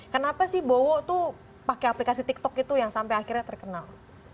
kenapa sih bowo tuh pakai aplikasi tiktok itu yang sampai akhirnya terkenal